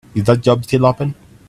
Is that job still open?